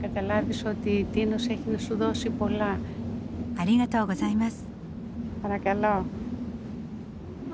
ありがとうございます。